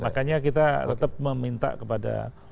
makanya kita tetap meminta kepada